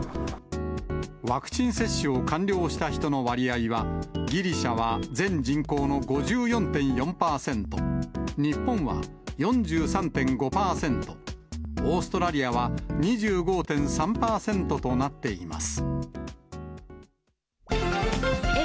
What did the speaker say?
ワクチン接種を完了した人の割合は、ギリシャは全人口の５４．４％、日本は４３．５％、オーストラリアは２５．３％となっています。